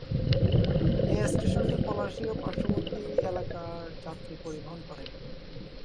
এই স্টেশনটি পলাশী ও পার্শ্ববর্তী এলাকার যাত্রী পরিবহন করে।